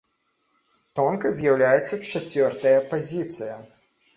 Тонкай з'яўляецца чацвёртая пазіцыя.